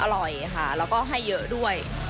อร่อยค่ะแล้วก็ให้เยอะด้วย